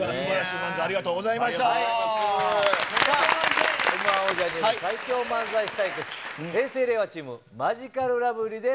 Ｍー１王者による最強漫才師対決、平成・令和チーム、マヂカルラブリーです。